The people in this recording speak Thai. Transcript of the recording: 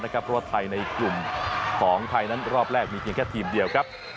เพราะว่าใทยในวันครบ๒นั้นรอบแรกก็มีแค่ทีมเดียวครับ